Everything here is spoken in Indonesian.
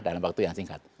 dalam waktu yang singkat